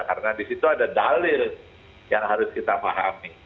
karena di situ ada dalil yang harus kita pahami